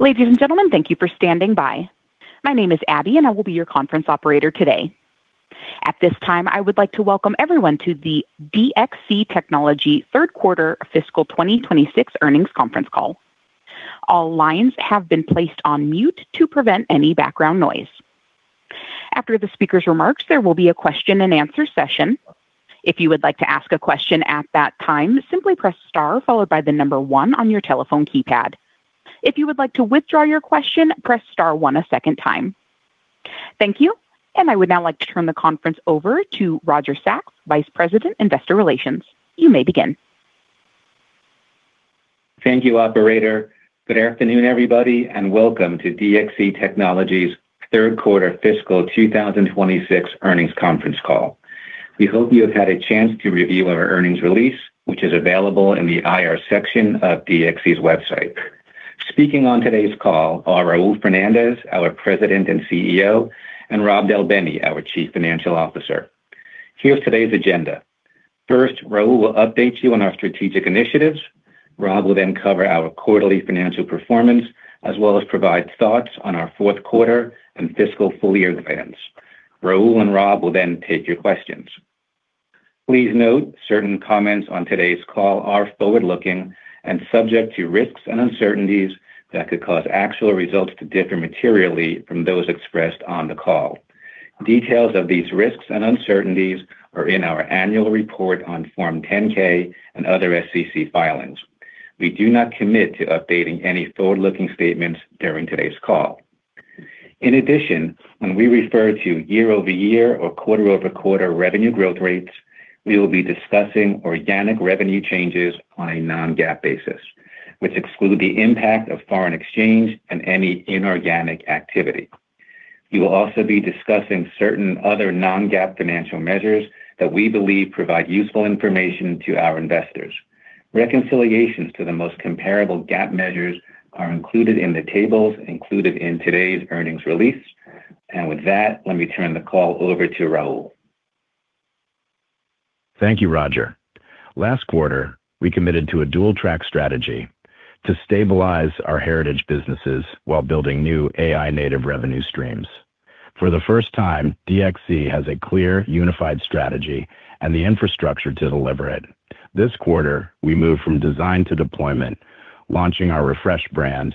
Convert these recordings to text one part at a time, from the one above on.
Ladies and gentlemen, thank you for standing by. My name is Abby, and I will be your conference operator today. At this time, I would like to welcome everyone to the DXC Technology Q3 Fiscal 2026 Earnings Conference Call. All lines have been placed on mute to prevent any background noise. After the speaker's remarks, there will be a question-and-answer session. If you would like to ask a question at that time, simply press star followed by the number one on your telephone keypad. If you would like to withdraw your question, press star one a second time. Thank you, and I would now like to turn the conference over to Roger Sachs, Vice President, Investor Relations. You may begin. Thank you, Operator. Good afternoon, everybody, and welcome to DXC Technology's Q3 Fiscal 2026 Earnings Conference Call. We hope you have had a chance to review our earnings release, which is available in the IR section of DXC's website. Speaking on today's call are Raul Fernandez, our President and CEO, and Rob Del Bene, our Chief Financial Officer. Here's today's agenda. First, Raul will update you on our strategic initiatives. Rob will then cover our quarterly financial performance, as well as provide thoughts on our Q4 and fiscal full-year plans. Raul and Rob will then take your questions. Please note certain comments on today's call are forward-looking and subject to risks and uncertainties that could cause actual results to differ materially from those expressed on the call. Details of these risks and uncertainties are in our annual report on Form 10-K and other SEC filings. We do not commit to updating any forward-looking statements during today's call. In addition, when we refer to year-over-year or quarter-over-quarter revenue growth rates, we will be discussing organic revenue changes on a non-GAAP basis, which exclude the impact of foreign exchange and any inorganic activity. We will also be discussing certain other non-GAAP financial measures that we believe provide useful information to our investors. Reconciliations to the most comparable GAAP measures are included in the tables included in today's earnings release. With that, let me turn the call over to Raul. Thank you, Roger. Last quarter, we committed to a dual-track strategy to stabilize our heritage businesses while building new AI-native revenue streams. For the first time, DXC has a clear, unified strategy and the infrastructure to deliver it. This quarter, we moved from design to deployment, launching our refreshed brand,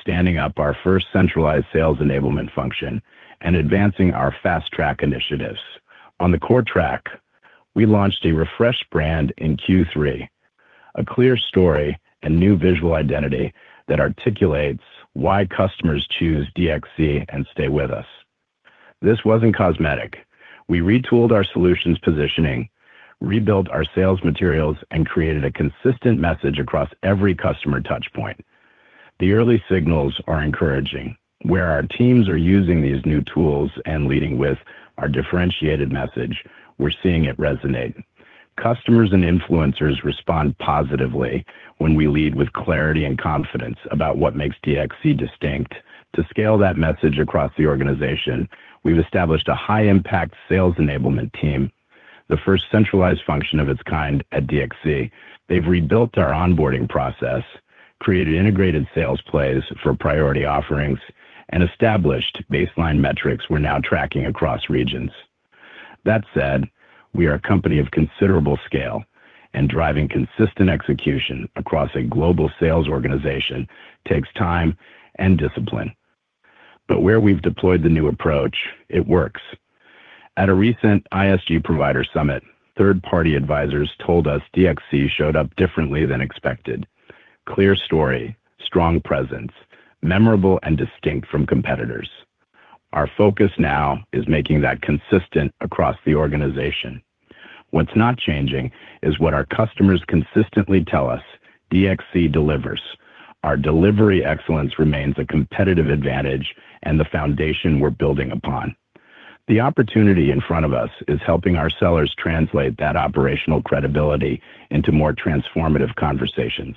standing up our first centralized sales enablement function, and advancing our Fast-Track initiatives. On the core track, we launched a refreshed brand in Q3, a clear story and new visual identity that articulates why customers choose DXC and stay with us. This wasn't cosmetic. We retooled our solutions positioning, rebuilt our sales materials, and created a consistent message across every customer touchpoint. The early signals are encouraging. Where our teams are using these new tools and leading with our differentiated message, we're seeing it resonate. Customers and influencers respond positively when we lead with clarity and confidence about what makes DXC distinct. To scale that message across the organization, we've established a high-impact sales enablement team, the first centralized function of its kind at DXC. They've rebuilt our onboarding process, created integrated sales plays for priority offerings, and established baseline metrics we're now tracking across regions. That said, we are a company of considerable scale, and driving consistent execution across a global sales organization takes time and discipline. Where we've deployed the new approach, it works. At a recent ISG provider summit, third-party advisors told us DXC showed up differently than expected: clear story, strong presence, memorable, and distinct from competitors. Our focus now is making that consistent across the organization. What's not changing is what our customers consistently tell us DXC delivers. Our delivery excellence remains a competitive advantage and the foundation we're building upon. The opportunity in front of us is helping our sellers translate that operational credibility into more transformative conversations,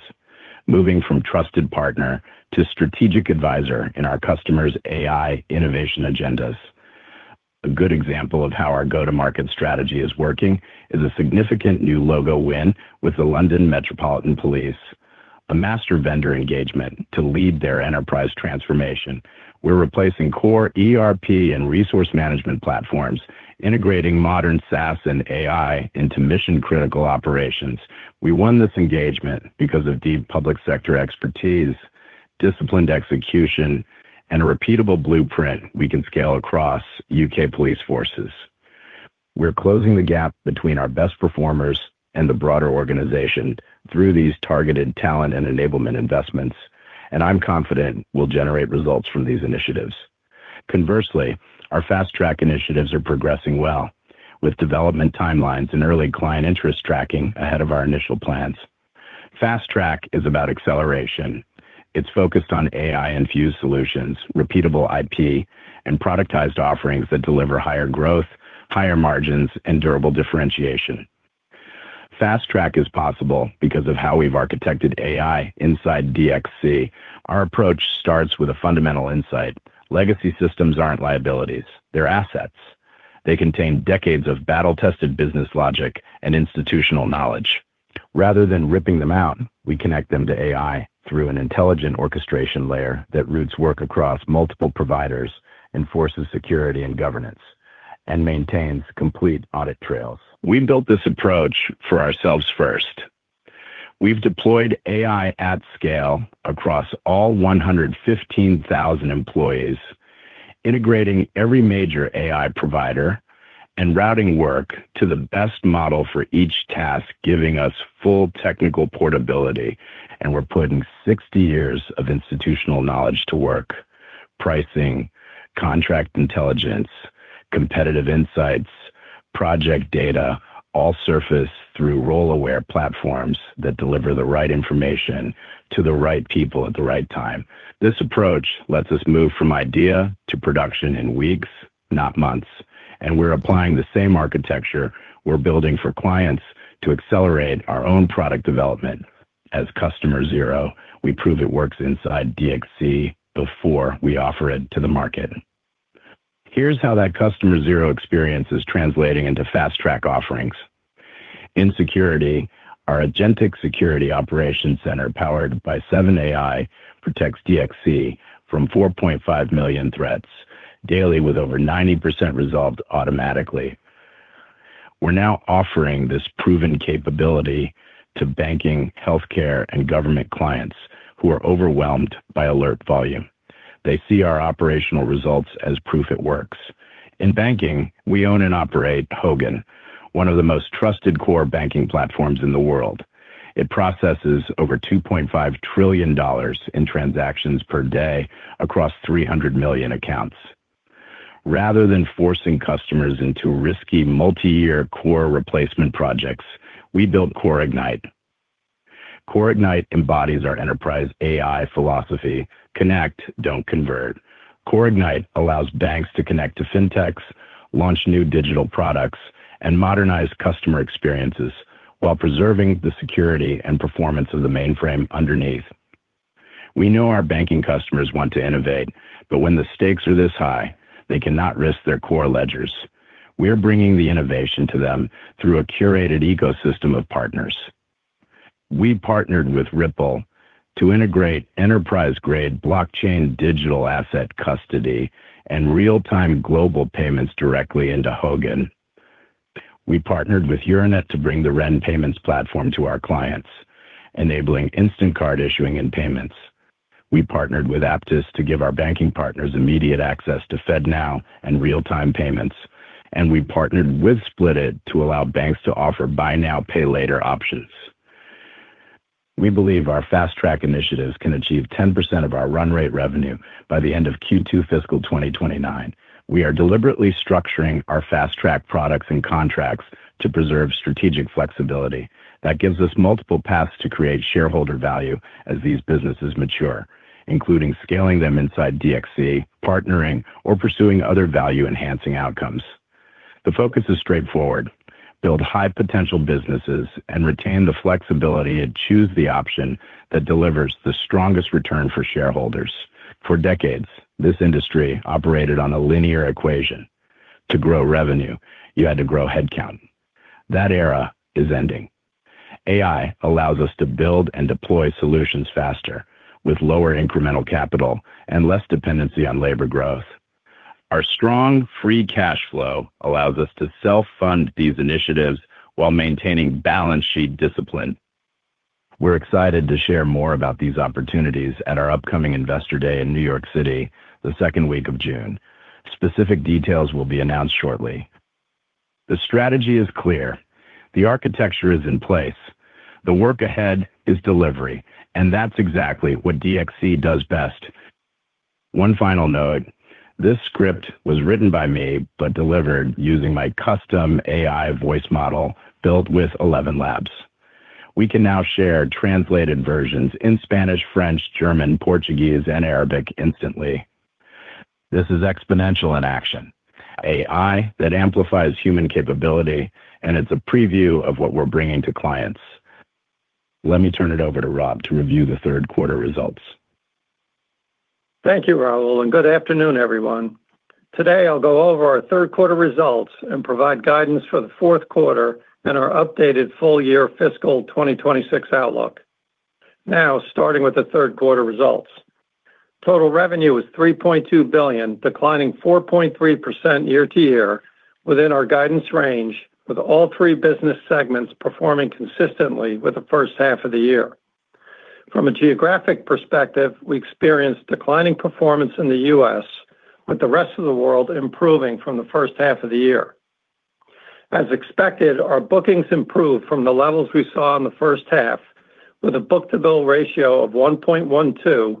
moving from trusted partner to strategic advisor in our customers' AI innovation agendas. A good example of how our go-to-market strategy is working is a significant new logo win with the London Metropolitan Police, a master vendor engagement to lead their enterprise transformation. We're replacing core ERP and resource management platforms, integrating modern SaaS and AI into mission-critical operations. We won this engagement because of deep public sector expertise, disciplined execution, and a repeatable blueprint we can scale across UK police forces. We're closing the gap between our best performers and the broader organization through these targeted talent and enablement investments, and I'm confident we'll generate results from these initiatives. Conversely, our Fast-Track initiatives are progressing well, with development timelines and early client interest tracking ahead of our initial plans. Fast-Track is about acceleration. It's focused on AI-infused solutions, repeatable IP, and productized offerings that deliver higher growth, higher margins, and durable differentiation. Fast-Track is possible because of how we've architected AI inside DXC. Our approach starts with a fundamental insight: legacy systems aren't liabilities. They're assets. They contain decades of battle-tested business logic and institutional knowledge. Rather than ripping them out, we connect them to AI through an intelligent orchestration layer that routes work across multiple providers, enforces security and governance, and maintains complete audit trails. We built this approach for ourselves first. We've deployed AI at scale across all 115,000 employees, integrating every major AI provider and routing work to the best model for each task, giving us full technical portability. We're putting 60 years of institutional knowledge to work: pricing, contract intelligence, competitive insights, project data, all surfaced through role-aware platforms that deliver the right information to the right people at the right time. This approach lets us move from idea to production in weeks, not months. And we're applying the same architecture we're building for clients to accelerate our own product development. As Customer Zero, we prove it works inside DXC before we offer it to the market. Here's how that Customer Zero experience is translating into fast-track offerings. In security, our Agentic Security Operations Center, powered by 7AI, protects DXC from 4.5 million threats daily, with over 90% resolved automatically. We're now offering this proven capability to banking, healthcare, and government clients who are overwhelmed by alert volume. They see our operational results as proof it works. In banking, we own and operate Hogan, one of the most trusted core banking platforms in the world. It processes over $2.5 trillion in transactions per day across 300 million accounts. Rather than forcing customers into risky multi-year core replacement projects, we built CoreIgnite. CoreIgnite embodies our enterprise AI philosophy: connect, don't convert. CoreIgnite allows banks to connect to fintechs, launch new digital products, and modernize customer experiences while preserving the security and performance of the mainframe underneath. We know our banking customers want to innovate, but when the stakes are this high, they cannot risk their core ledgers. We're bringing the innovation to them through a curated ecosystem of partners. We partnered with Ripple to integrate enterprise-grade blockchain digital asset custody and real-time global payments directly into Hogan. We partnered with Euronet to bring the Ren payments platform to our clients, enabling instant card issuing and payments. We partnered with Aptys to give our banking partners immediate access to FedNow and real-time payments. We partnered with Splitit to allow banks to offer buy now, pay later options. We believe our Fast-Track initiatives can achieve 10% of our run rate revenue by the end of Q2 Fiscal 2029. We are deliberately structuring our Fast-Track products and contracts to preserve strategic flexibility. That gives us multiple paths to create shareholder value as these businesses mature, including scaling them inside DXC, partnering, or pursuing other value-enhancing outcomes. The focus is straightforward: build high-potential businesses and retain the flexibility to choose the option that delivers the strongest return for shareholders. For decades, this industry operated on a linear equation. To grow revenue, you had to grow headcount. That era is ending. AI allows us to build and deploy solutions faster with lower incremental capital and less dependency on labor growth. Our strong free cash flow allows us to self-fund these initiatives while maintaining balance sheet discipline. We're excited to share more about these opportunities at our upcoming Investor Day in New York City, the second week of June. Specific details will be announced shortly. The strategy is clear. The architecture is in place. The work ahead is delivery, and that's exactly what DXC does best. One final note: this script was written by me but delivered using my custom AI voice model built with ElevenLabs. We can now share translated versions in Spanish, French, German, Portuguese, and Arabic instantly. This is exponential in action: AI that amplifies human capability, and it's a preview of what we're bringing to clients. Let me turn it over to Rob to review the Q3 results. Thank you, Raul, and good afternoon, everyone. Today, I'll go over our Q3 results and provide guidance for the Q4 and our updated full-year fiscal 2026 outlook. Now, starting with the Q3 results, total revenue was $3.2 billion, declining 4.3% year-to-year within our guidance range, with all three business segments performing consistently with the H1 of the year. From a geographic perspective, we experienced declining performance in the US, with the rest of the world improving from the H1 of the year. As expected, our bookings improved from the levels we saw in the H1, with a book-to-bill ratio of 1.12,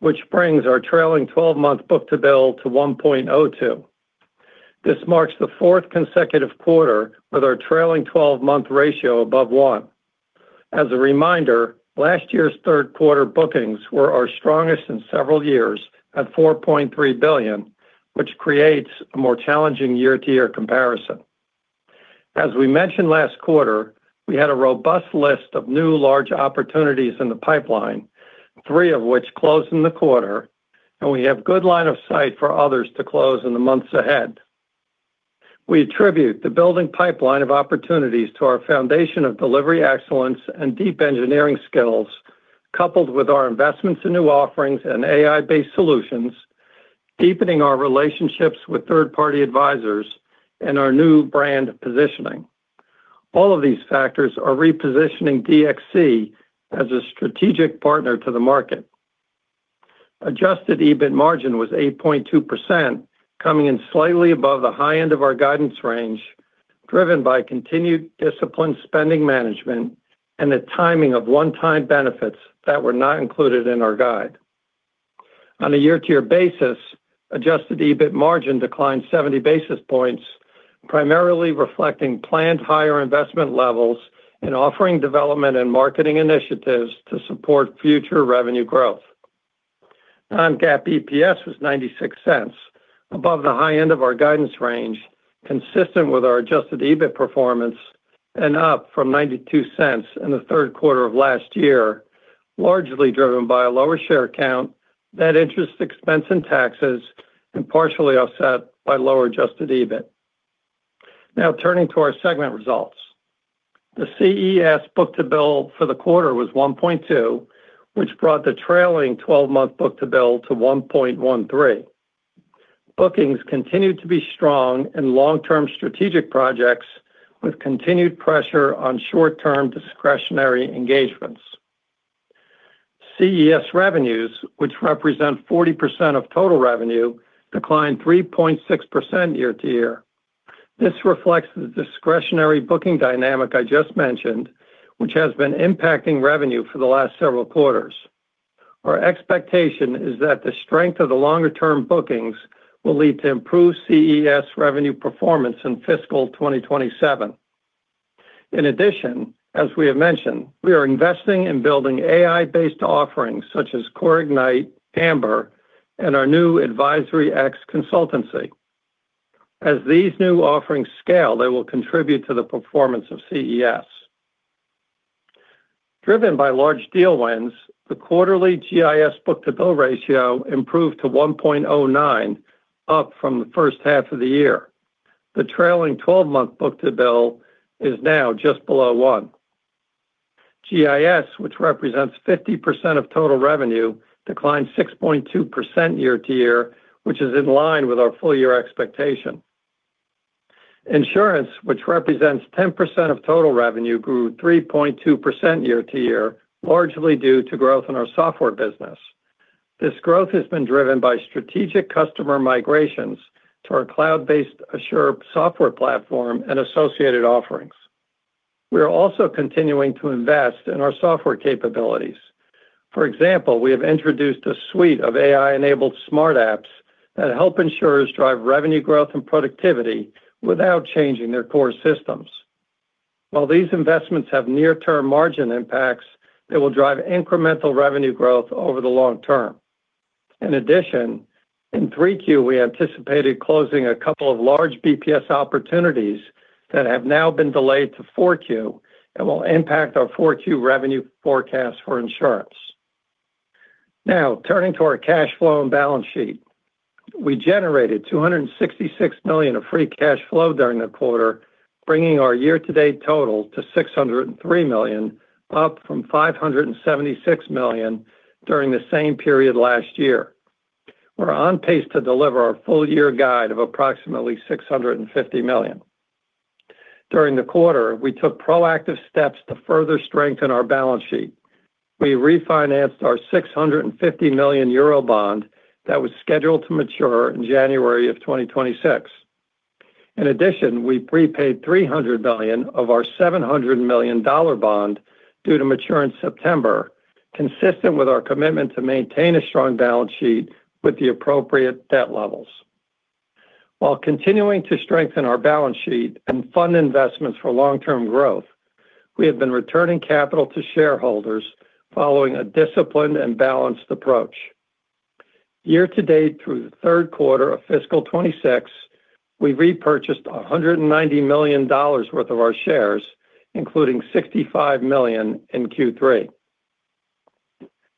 which brings our trailing 12-month book-to-bill to 1.02. This marks the fourth consecutive quarter with our trailing 12-month ratio above one. As a reminder, last year's Q3 bookings were our strongest in several years at $4.3 billion, which creates a more challenging year-to-year comparison. As we mentioned last quarter, we had a robust list of new large opportunities in the pipeline, three of which closed in the quarter, and we have good line of sight for others to close in the months ahead. We attribute the building pipeline of opportunities to our foundation of delivery excellence and deep engineering skills, coupled with our investments in new offerings and AI-based solutions, deepening our relationships with third-party advisors and our new brand positioning. All of these factors are repositioning DXC as a strategic partner to the market. Adjusted EBIT margin was 8.2%, coming in slightly above the high end of our guidance range, driven by continued disciplined spending management and the timing of one-time benefits that were not included in our guide. On a year-over-year basis, Adjusted EBIT margin declined 70 basis points, primarily reflecting planned higher investment levels and offering development and marketing initiatives to support future revenue growth. Non-GAAP EPS was $0.96, above the high end of our guidance range, consistent with our Adjusted EBIT performance and up from $0.92 in the Q3 of last year, largely driven by a lower share count, net interest expense, and taxes, and partially offset by lower Adjusted EBIT. Now, turning to our segment results, the CES book-to-bill for the quarter was 1.2, which brought the trailing 12-month book-to-bill to 1.13. Bookings continued to be strong in long-term strategic projects, with continued pressure on short-term discretionary engagements. CES revenues, which represent 40% of total revenue, declined 3.6% year-over-year. This reflects the discretionary booking dynamic I just mentioned, which has been impacting revenue for the last several quarters. Our expectation is that the strength of the longer-term bookings will lead to improved CES revenue performance in fiscal 2027. In addition, as we have mentioned, we are investing in building AI-based offerings such as CoreIgnite, AMBER, and our new AdvisoryX consultancy. As these new offerings scale, they will contribute to the performance of CES. Driven by large deal wins, the quarterly GIS book-to-bill ratio improved to 1.09, up from the H1 of the year. The trailing 12-month book-to-bill is now just below one. GIS, which represents 50% of total revenue, declined 6.2% year-to-year, which is in line with our full-year expectation. Insurance, which represents 10% of total revenue, grew 3.2% year-to-year, largely due to growth in our software business. This growth has been driven by strategic customer migrations to our cloud-based Assure software platform and associated offerings. We are also continuing to invest in our software capabilities. For example, we have introduced a suite of AI-enabled smart apps that help insurers drive revenue growth and productivity without changing their core systems. While these investments have near-term margin impacts, they will drive incremental revenue growth over the long term. In addition, in Q3, we anticipated closing a couple of large BPS opportunities that have now been delayed to Q4 and will impact our Q4 revenue forecast for insurance. Now, turning to our cash flow and balance sheet, we generated $266 million of free cash flow during the quarter, bringing our year-to-date total to $603 million, up from $576 million during the same period last year. We're on pace to deliver our full-year guide of approximately $650 million. During the quarter, we took proactive steps to further strengthen our balance sheet. We refinanced our 650 million euro bond that was scheduled to mature in January of 2026. In addition, we prepaid $300 million of our $700 million bond due to mature in September, consistent with our commitment to maintain a strong balance sheet with the appropriate debt levels. While continuing to strengthen our balance sheet and fund investments for long-term growth, we have been returning capital to shareholders following a disciplined and balanced approach. Year-to-date through the Q3 of fiscal 2026, we repurchased $190 million worth of our shares, including $65 million in Q3.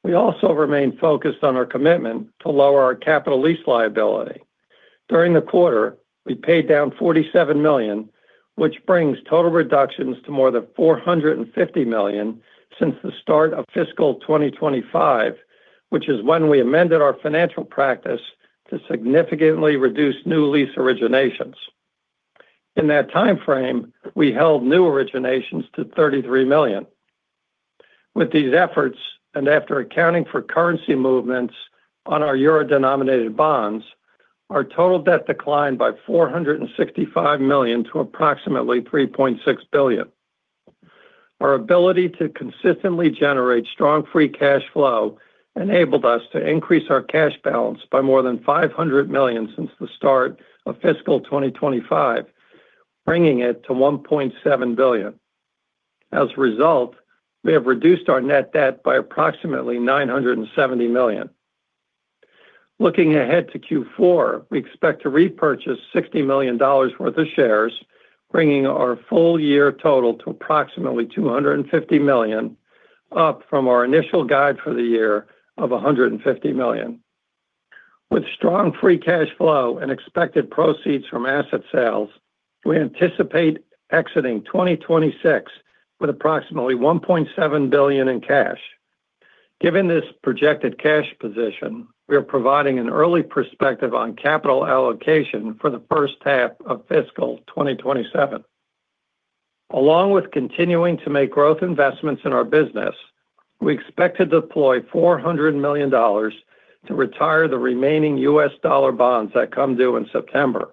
We also remain focused on our commitment to lower our capital lease liability. During the quarter, we paid down $47 million, which brings total reductions to more than $450 million since the start of fiscal 2025, which is when we amended our financial practice to significantly reduce new lease originations. In that timeframe, we held new originations to $33 million. With these efforts, and after accounting for currency movements on our euro-denominated bonds, our total debt declined by $465 million to approximately $3.6 billion. Our ability to consistently generate strong free cash flow enabled us to increase our cash balance by more than $500 million since the start of fiscal 2025, bringing it to $1.7 billion. As a result, we have reduced our net debt by approximately $970 million. Looking ahead to Q4, we expect to repurchase $60 million worth of shares, bringing our full-year total to approximately $250 million, up from our initial guide for the year of $150 million. With strong free cash flow and expected proceeds from asset sales, we anticipate exiting 2026 with approximately $1.7 billion in cash. Given this projected cash position, we are providing an early perspective on capital allocation for the H1 of fiscal 2027. Along with continuing to make growth investments in our business, we expect to deploy $400 million to retire the remaining US dollar bonds that come due in September.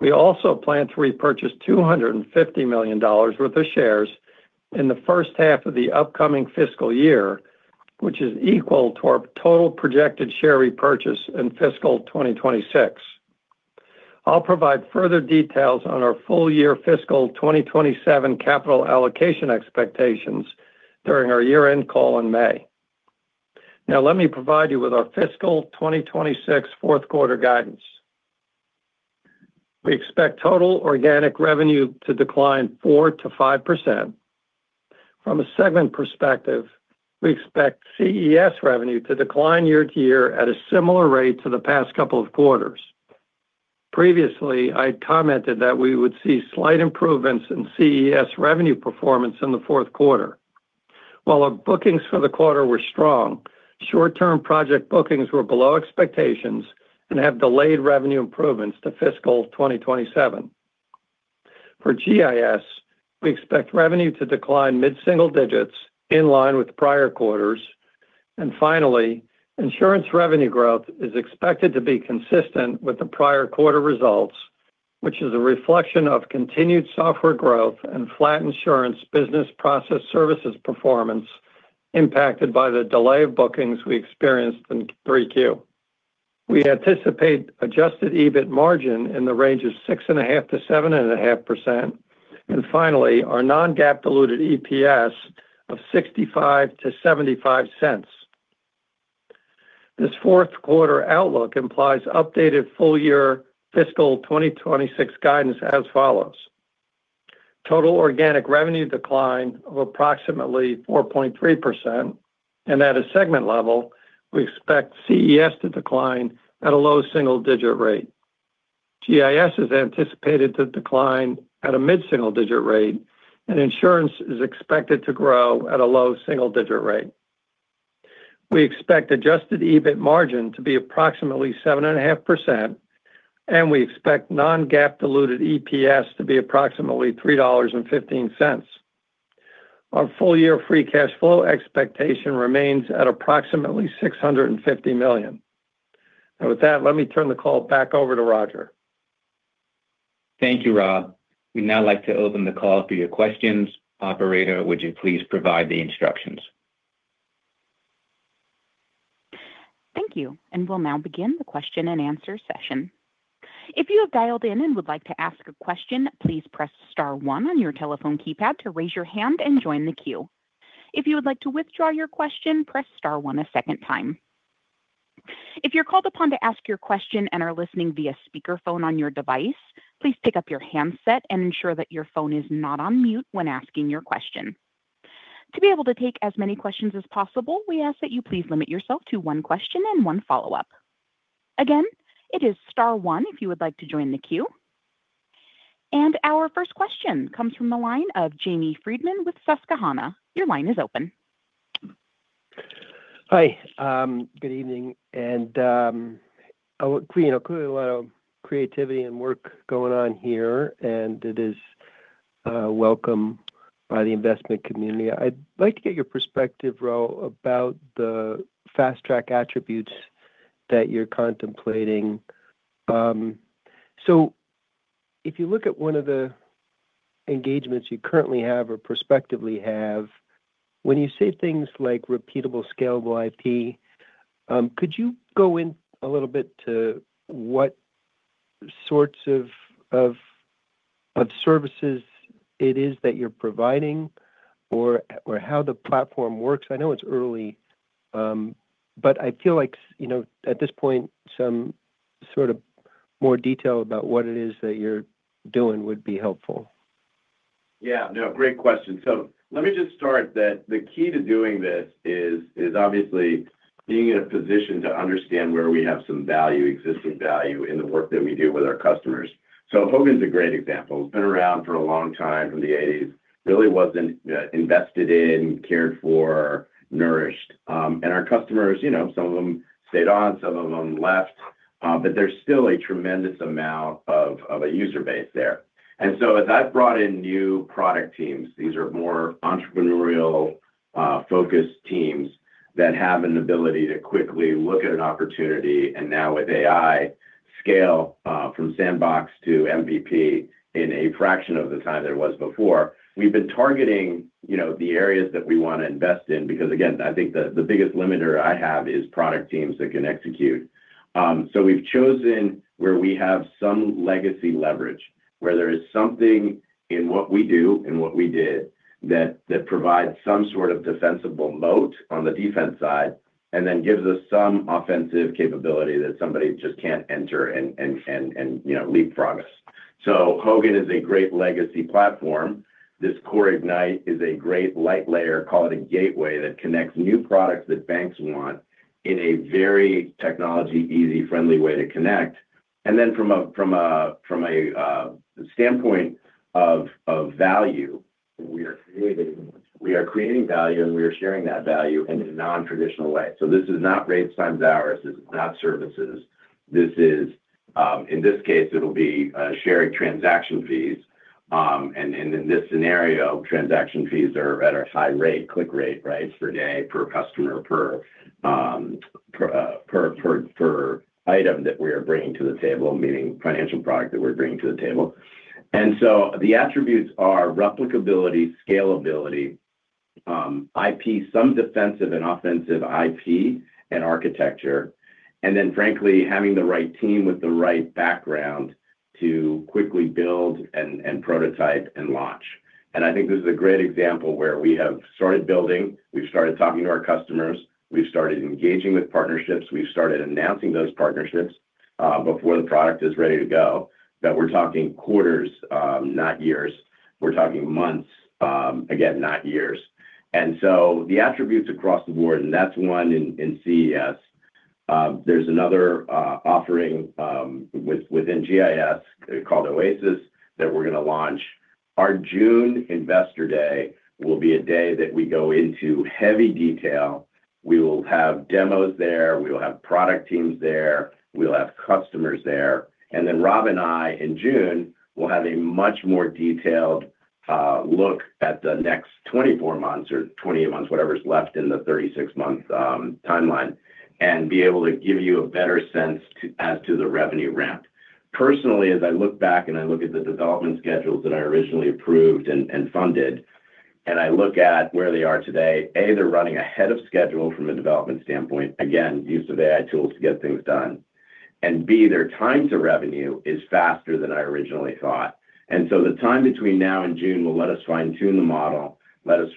We also plan to repurchase $250 million worth of shares in the H1 of the upcoming fiscal year, which is equal to our total projected share repurchase in fiscal 2026. I'll provide further details on our full-year fiscal 2027 capital allocation expectations during our year-end call in May. Now, let me provide you with our fiscal 2026 Q4 guidance. We expect total organic revenue to decline 4%-5%. From a segment perspective, we expect CES revenue to decline year-to-year at a similar rate to the past couple of quarters. Previously, I commented that we would see slight improvements in CES revenue performance in the Q4. While our bookings for the quarter were strong, short-term project bookings were below expectations and have delayed revenue improvements to fiscal 2027. For GIS, we expect revenue to decline mid-single digits in line with prior quarters. And finally, insurance revenue growth is expected to be consistent with the prior quarter results, which is a reflection of continued software growth and flat insurance business process services performance impacted by the delay of bookings we experienced in Q3. We anticipate adjusted EBIT margin in the range of 6.5%-7.5%. Finally, our non-GAAP diluted EPS of $0.65-$0.75. This Q4 outlook implies updated full-year fiscal 2026 guidance as follows: total organic revenue decline of approximately 4.3%. At a segment level, we expect CES to decline at a low single-digit rate. GIS is anticipated to decline at a mid-single-digit rate, and insurance is expected to grow at a low single-digit rate. We expect adjusted EBIT margin to be approximately 7.5%, and we expect non-GAAP diluted EPS to be approximately $3.15. Our full-year free cash flow expectation remains at approximately $650 million. With that, let me turn the call back over to Roger. Thank you, Rob. We'd now like to open the call for your questions. Operator, would you please provide the instructions? Thank you. We'll now begin the question-and-answer session. If you have dialed in and would like to ask a question, please press star one on your telephone keypad to raise your hand and join the queue. If you would like to withdraw your question, press star one a second time. If you're called upon to ask your question and are listening via speakerphone on your device, please pick up your handset and ensure that your phone is not on mute when asking your question. To be able to take as many questions as possible, we ask that you please limit yourself to one question and one follow-up. Again, it is star one if you would like to join the queue. Our first question comes from the line of Jamie Friedman with Susquehanna. Your line is open. Hi. Good evening. We have a lot of creativity and work going on here, and it is welcome by the investment community. I'd like to get your perspective, Raul, about the Fast-Track attributes that you're contemplating. If you look at one of the engagements you currently have or prospectively have, when you say things like repeatable scalable IP, could you go in a little bit to what sorts of services it is that you're providing or how the platform works? I know it's early, but I feel like at this point, some sort of more detail about what it is that you're doing would be helpful. Great question. Let me just start that the key to doing this is obviously being in a position to understand where we have some value, existing value in the work that we do with our customers. Hogan's a great example. It's been around for a long time from the 1980s. Really wasn't invested in, cared for, nourished. Our customers, some of them stayed on, some of them left, but there's still a tremendous amount of a user base there. As I've brought in new product teams, these are more entrepreneurial-focused teams that have an ability to quickly look at an opportunity. Now with AI, scale from sandbox to MVP in a fraction of the time than it was before, we've been targeting the areas that we want to invest in because, again, I think the biggest limiter I have is product teams that can execute. We've chosen where we have some legacy leverage, where there is something in what we do and what we did that provides some sort of defensible moat on the defense side and then gives us some offensive capability that somebody just can't enter and leapfrog us. Hogan is a great legacy platform. This CoreIgnite is a great light layer, call it a gateway that connects new products that banks want in a very technology-easy, friendly way to connect. From a standpoint of value, we are creating value, and we are sharing that value in a non-traditional way. This is not rates times hours. This is not services. This is, in this case, it'll be sharing transaction fees. In this scenario, transaction fees are at a high rate, click rate, right, per day, per customer, per item that we are bringing to the table, meaning financial product that we're bringing to the table. The attributes are replicability, scalability, IP, some defensive and offensive IP and architecture, and then, frankly, having the right team with the right background to quickly build and prototype and launch.I think this is a great example where we have started building. We've started talking to our customers. We've started engaging with partnerships. We've started announcing those partnerships before the product is ready to go. We're talking quarters, not years. We're talking months, again, not years, so the attributes across the board, and that's one in CES. There's another offering within GIS called OASIS that we're going to launch. Our June Investor Day will be a day that we go into heavy detail. We will have demos there. We will have product teams there. We'll have customers there. Rob and I, in June, will have a much more detailed look at the next 24 months or 28 months, whatever's left in the 36-month timeline, and be able to give you a better sense as to the revenue ramp. Personally, as I look back and I look at the development schedules that I originally approved and funded, and I look at where they are today, A, they're running ahead of schedule from a development standpoint, again, use of AI tools to get things done. And B, their time to revenue is faster than I originally thought. The time between now and June will let us fine-tune the model, let us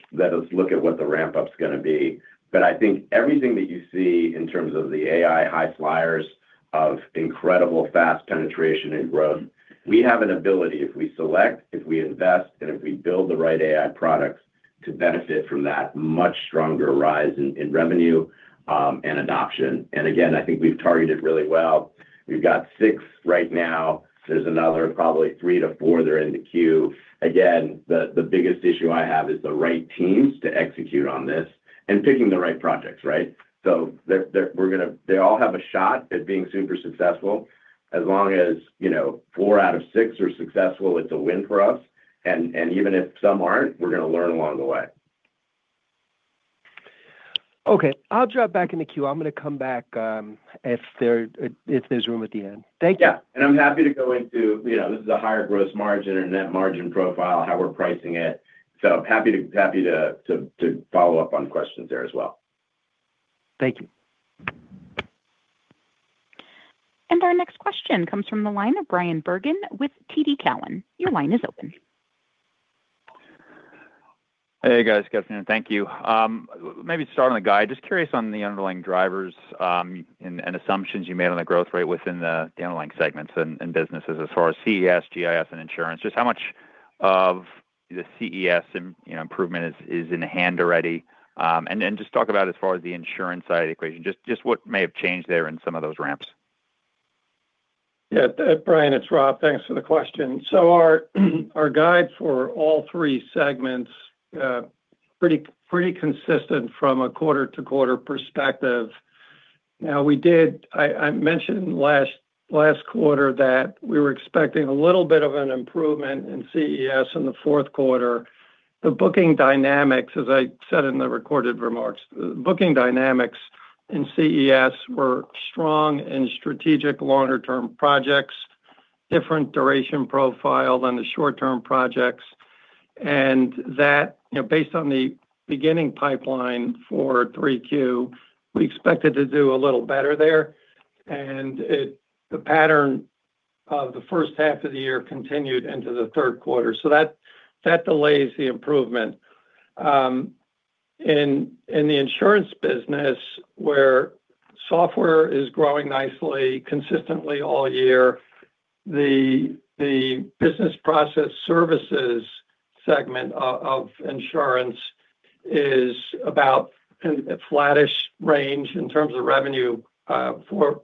look at what the ramp-up's going to be. I think everything that you see in terms of the AI high flyers of incredible fast penetration and growth, we have an ability, if we select, if we invest, and if we build the right AI products to benefit from that much stronger rise in revenue and adoption. Again, I think we've targeted really well. We've got 6 right now. There's another probably 3-4 that are in the queue. Again, the biggest issue I have is the right teams to execute on this and picking the right projects, right? They all have a shot at being super successful. As long as 4 out of 6 are successful, it's a win for us. Even if some aren't, we're going to learn along the way. I'll drop back in the queue. I'm going to come back if there's room at the end. Thank you. I'm happy to go into this. This is a higher gross margin or net margin profile, how we're pricing it. Happy to follow up on questions there as well. Thank you. Our next question comes from the line of Bryan Bergin with TD Cowen. Your line is open. Good afternoon. Thank you. Maybe start on the guide. Just curious on the underlying drivers and assumptions you made on the growth rate within the underlying segments and businesses as far as CES, GIS, and insurance. Just how much of the CES improvement is in hand already? Just talk about as far as the insurance side of the equation, just what may have changed there in some of those ramps? Brian, it's Rob. Thanks for the question. Our guide for all three segments, pretty consistent from a quarter-to-quarter perspective. Now, I mentioned last quarter that we were expecting a little bit of an improvement in CES in the Q4. The booking dynamics, as I said in the recorded remarks, the booking dynamics in CES were strong and strategic longer-term projects, different duration profile than the short-term projects. Based on the beginning pipeline for Q3, we expected to do a little better there, and the pattern of the H1 of the year continued into the Q3. That delays the improvement. In the insurance business, where software is growing nicely, consistently all year, the business process services segment of insurance is about a flattish range in terms of revenue for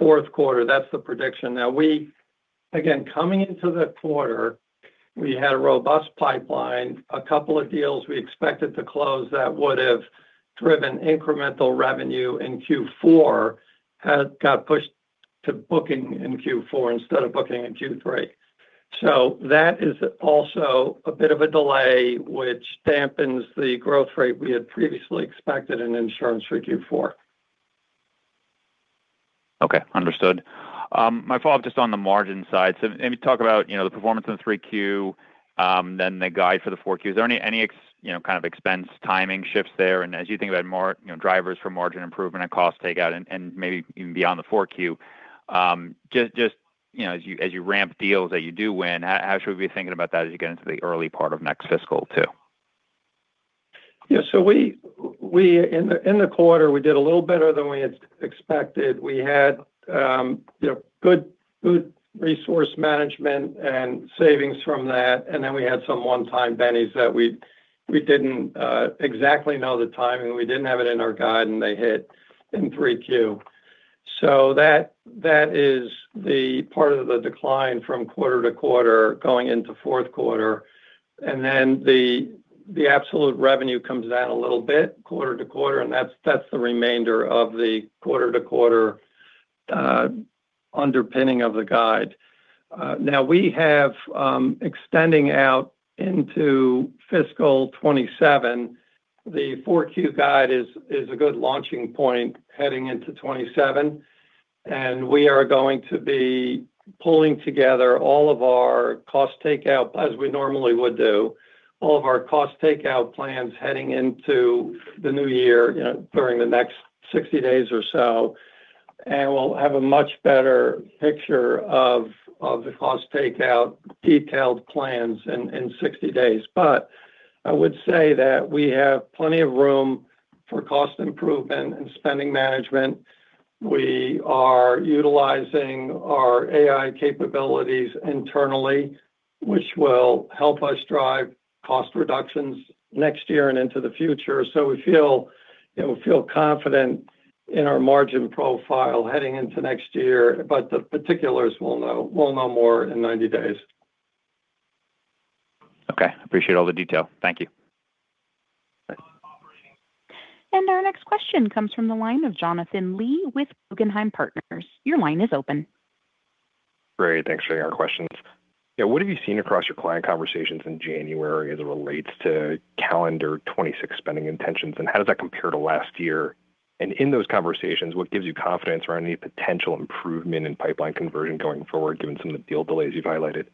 Q4. That's the prediction. Now, again, coming into the quarter, we had a robust pipeline. A couple of deals we expected to close that would have driven incremental revenue in Q4 got pushed to booking in Q4 instead of booking in Q3. That is also a bit of a delay, which dampens the growth rate we had previously expected in insurance for Q4. Understood. My follow-up just on the margin side. Maybe talk about the performance in Q3, then the guide for the Q4. Is there any kind of expense timing shifts there? As you think about drivers for margin improvement and cost takeout and maybe even beyond the Q4, just as you ramp deals that you do win, how should we be thinking about that as you get into the early part of next fiscal too? In the quarter, we did a little better than we had expected. We had good resource management and savings from that. We had some one-time bennies that we didn't exactly know the timing. We didn't have it in our guide, and they hit in Q3. That is the part of the decline from quarter to quarter going into Q4. The absolute revenue comes down a little bit quarter to quarter. That's the remainder of the quarter to quarter underpinning of the guide. Now, we have extending out into fiscal 2027. The Q4 guide is a good launching point heading into 2027. We are going to be pulling together all of our cost takeout, as we normally would do, all of our cost takeout plans heading into the new year during the next 60 days or so. We'll have a much better picture of the cost takeout detailed plans in 60 days. I would say that we have plenty of room for cost improvement and spending management. We are utilizing our AI capabilities internally, which will help us drive cost reductions next year and into the future. We feel confident in our margin profile heading into next year. The particulars we'll know more in 90 days. Appreciate all the detail. Thank you. Our next question comes from the line of Jonathan Lee with Guggenheim Partners. Your line is open. Great. Thanks for taking our questions. What have you seen across your client conversations in January as it relates to calendar 2026 spending intentions? How does that compare to last year? In those conversations, what gives you confidence around any potential improvement in pipeline conversion going forward, given some of the deal delays you've highlighted?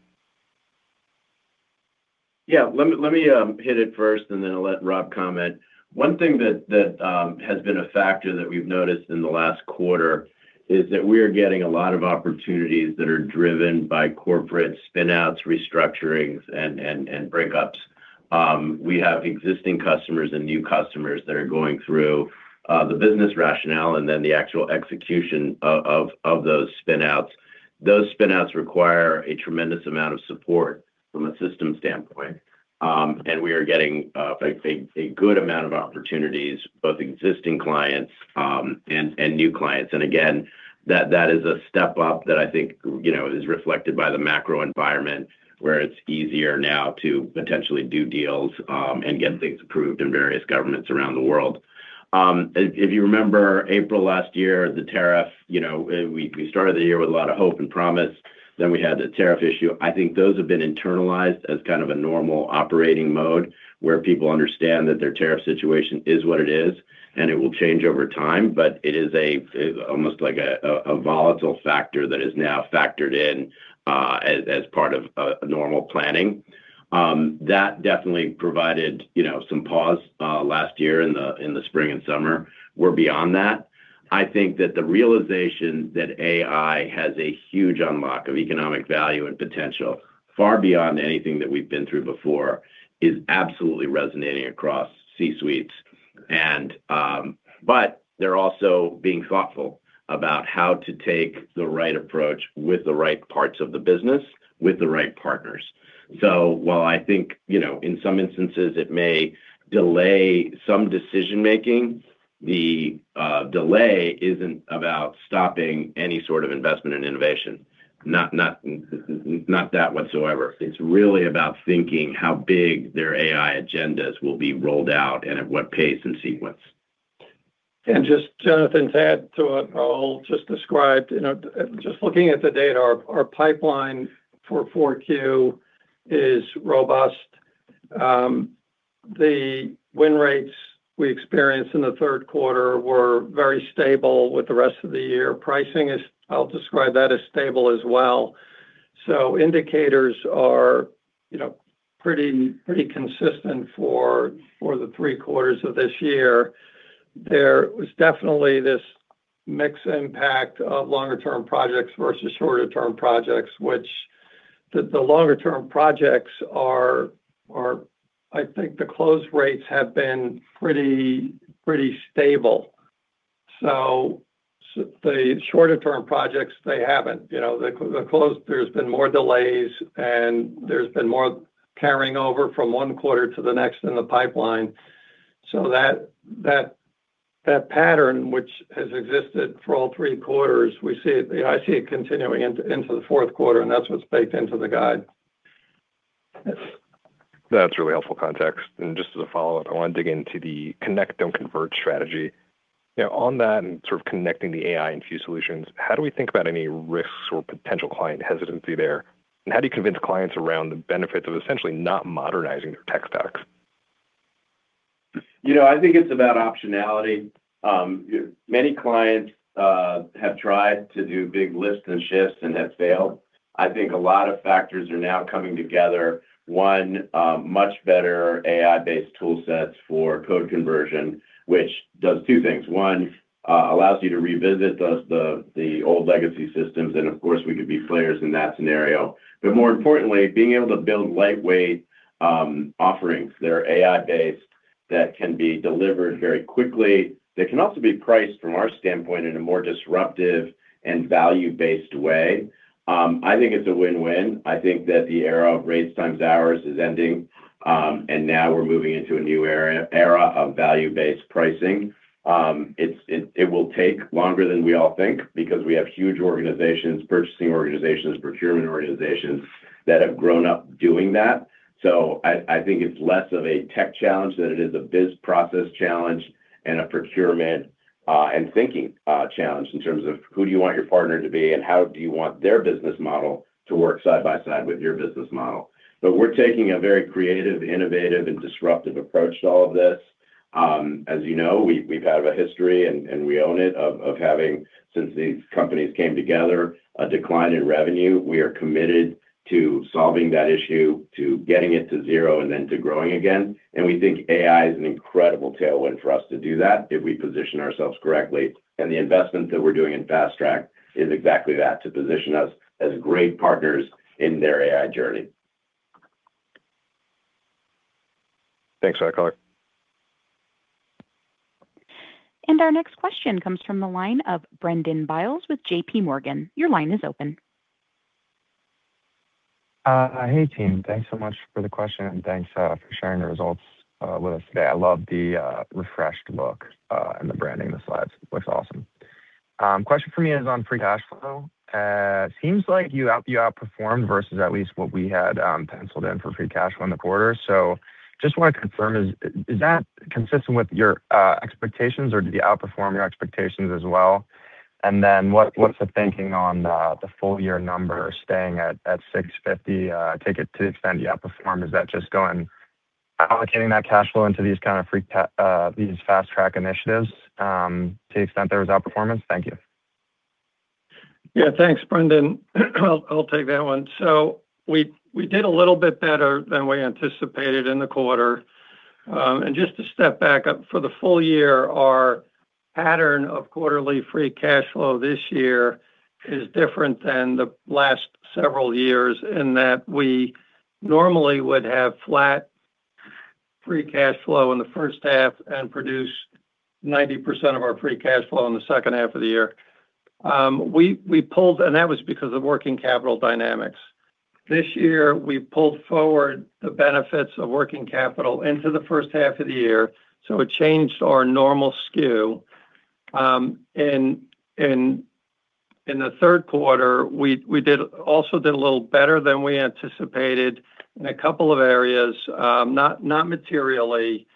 Let me hit it first, and then I'll let Rob comment. One thing that has been a factor that we've noticed in the last quarter is that we are getting a lot of opportunities that are driven by corporate spinouts, restructurings, and breakups. We have existing customers and new customers that are going through the business rationale and then the actual execution of those spinouts. Those spinouts require a tremendous amount of support from a system standpoint. We are getting a good amount of opportunities, both existing clients and new clients. Again, that is a step up that I think is reflected by the macro environment, where it's easier now to potentially do deals and get things approved in various governments around the world. If you remember April last year, the tariff, we started the year with a lot of hope and promise. Then we had the tariff issue. I think those have been internalized as kind of a normal operating mode where people understand that their tariff situation is what it is, and it will change over time. It is almost like a volatile factor that is now factored in as part of normal planning. That definitely provided some pause last year in the spring and summer. We're beyond that. I think that the realization that AI has a huge unlock of economic value and potential far beyond anything that we've been through before is absolutely resonating across C-suites.They're also being thoughtful about how to take the right approach with the right parts of the business, with the right partners. While I think in some instances it may delay some decision-making, the delay isn't about stopping any sort of investment and innovation. Not that whatsoever. It's really about thinking how big their AI agendas will be rolled out and at what pace and sequence. Just to add to what Raul just described. Just looking at the data, our pipeline for Q4 is robust. The win rates we experienced in the Q3 were very stable with the rest of the year. Pricing is, I'll describe that as stable as well. Indicators are pretty consistent for the three quarters of this year. There was definitely this mixed impact of longer-term projects versus shorter-term projects, which the longer-term projects are, I think the close rates have been pretty stable. The shorter-term projects, they haven't. The close, there's been more delays, and there's been more carrying over from one quarter to the next in the pipeline. Tthat pattern, which has existed for all three quarters, we see it. I see it continuing into the Q4, and that's what's baked into the guide. That's really helpful context. Just as a follow-up, I want to dig into the connect-don't-convert strategy. On that and sort of connecting the AI and few solutions, how do we think about any risks or potential client hesitancy there? How do you convince clients around the benefits of essentially not modernizing their tech stacks? I think it's about optionality. Many clients have tried to do big lifts and shifts and have failed. I think a lot of factors are now coming together. One, much better AI-based toolsets for code conversion, which does two things. One, allows you to revisit the old legacy systems. Of course, we could be players in that scenario. More importantly, being able to build lightweight offerings that are AI-based that can be delivered very quickly. They can also be priced from our standpoint in a more disruptive and value-based way. I think it's a win-win. I think that the era of rates times hours is ending. Now we're moving into a new era of value-based pricing. It will take longer than we all think because we have huge organizations, purchasing organizations, procurement organizations that have grown up doing that. I think it's less of a tech challenge than it is a biz process challenge and a procurement and thinking challenge in terms of who do you want your partner to be and how do you want their business model to work side by side with your business model. We're taking a very creative, innovative, and disruptive approach to all of this. As you know, we've had a history, and we own it, of having, since these companies came together, a decline in revenue. We are committed to solving that issue, to getting it to zero, and then to growing again. We think AI is an incredible tailwind for us to do that if we position ourselves correctly. The investment that we're doing in Fast-Track is exactly that, to position us as great partners in their AI journey. Thanks, Raul. Our next question comes from the line of Brendan Biles with JPMorgan. Your line is open. Thanks so much for the question. Thanks for sharing the results with us today. I love the refreshed look and the branding of the slides. Looks awesome. Question for me is on free cash flow. Seems like you outperformed versus at least what we had penciled in for free cash flow in the quarter. Just want to confirm, is that consistent with your expectations, or did you outperform your expectations as well? What's the thinking on the full-year number staying at $650 million? I take it to the extent you outperform, is that just going allocating that cash flow into these kind of these Fast-Track initiatives to the extent there was outperformance? Thank you. Thanks, Brendan. I'll take that one. We did a little bit better than we anticipated in the quarter. Just to step back up, for the full year, our pattern of quarterly free cash flow this year is different than the last several years in that we normally would have flat free cash flow in the H1 and produce 90% of our free cash flow in the H2 of the year. We pulled, and that was because of working capital dynamics. This year, we pulled forward the benefits of working capital into the H1 of the year. So it changed our normal SKU. In the Q3, we also did a little bit better than we anticipated in a couple of areas, not materially.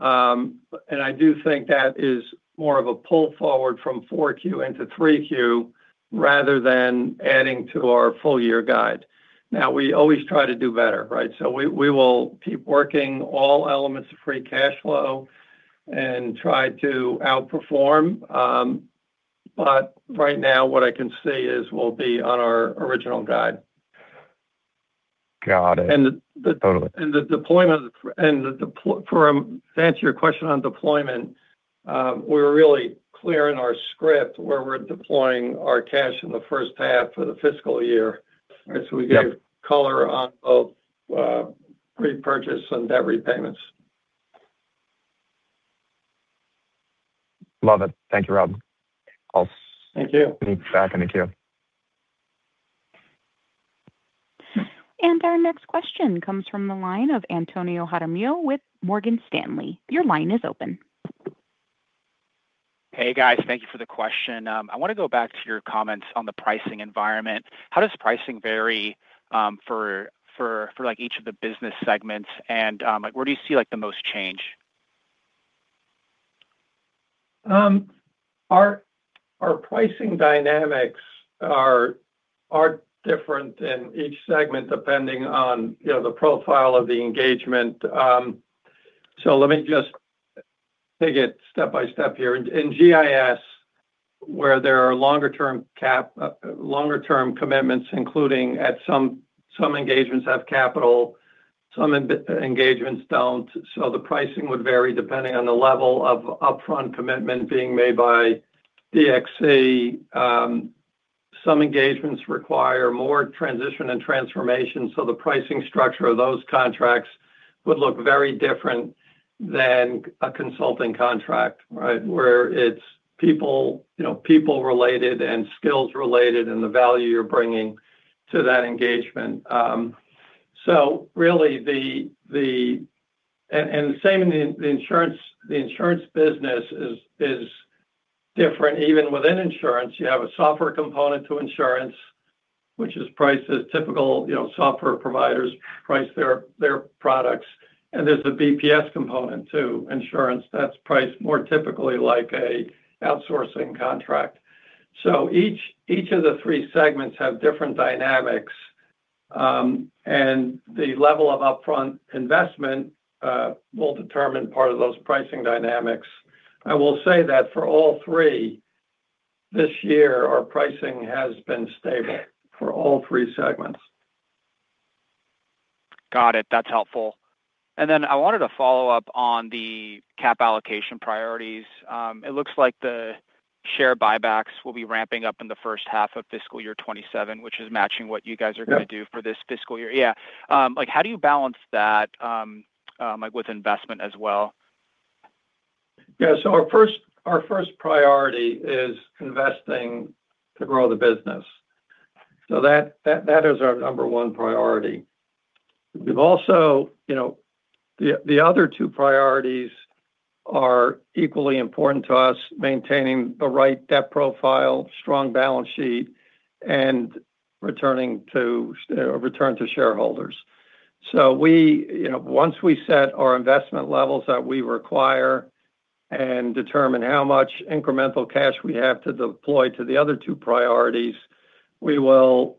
I do think that is more of a pull forward from Q4 into Q3 rather than adding to our full-year guide. Now, we always try to do better, right? We will keep working all elements of free cash flow and try to outperform, but right now, what I can see is we'll be on our original guide. Got it. Totally. The deployment and to answer your question on deployment, we're really clear in our script where we're deploying our cash in the H1 for the fiscal year. We gave color on both repurchase and debt repayments. Love it. Thank you, Rob. Thank you. Thanks, guys. Thank you. Our next question comes from the line of Antonio Jaramillo with Morgan Stanley. Your line is open. Thank you for the question. I want to go back to your comments on the pricing environment. How does pricing vary for each of the business segments? Where do you see the most change? Our pricing dynamics are different in each segment depending on the profile of the engagement. Let me just take it step by step here. In GIS, where there are longer-term commitments, including at some engagements have capital, some engagements don't. The pricing would vary depending on the level of upfront commitment being made by DXC. Some engagements require more transition and transformation. The pricing structure of those contracts would look very different than a consulting contract, right? Where it's people-related and skills-related and the value you're bringing to that engagement. Really, the same in the insurance business is different. Even within insurance, you have a software component to insurance, which is priced as typical software providers price their products. There's the BPS component to insurance that's priced more typically like an outsourcing contract. Each of the three segments have different dynamics. The level of upfront investment will determine part of those pricing dynamics. I will say that for all three, this year, our pricing has been stable for all three segments. Got it. That's helpful. I wanted to follow up on the capital allocation priorities. It looks like the share buybacks will be ramping up in the H1 of fiscal year 2027, which is matching what you guys are going to do for this fiscal year. How do you balance that with investment as well? Our first priority is investing to grow the business. That is our number one priority. We've also the other two priorities are equally important to us: maintaining the right debt profile, strong balance sheet, and return to shareholders. Once we set our investment levels that we require and determine how much incremental cash we have to deploy to the other two priorities, we will